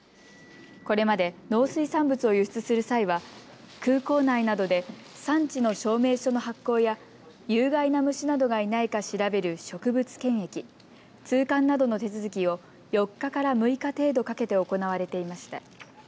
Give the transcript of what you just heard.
これまで農水産物を輸出する際は空港内などで産地の証明書の発行や有害な虫などがいないか調べる植物検疫、通関などの手続きを４日から６日程度かけて行われていました。